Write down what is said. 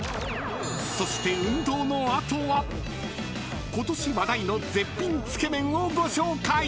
［そして運動の後はことし話題の絶品つけ麺をご紹介］